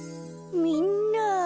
みんな。